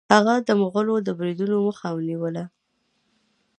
هغه د مغولو د بریدونو مخه ونیوله.